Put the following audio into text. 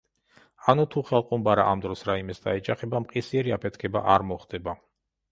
ანუ თუ ხელყუმბარა ამ დროს რამეს დაეჯახება მყისიერი აფეთქება არ მოხდება.